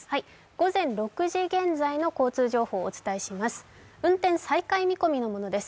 午前６時現在の交通情報をお伝えします。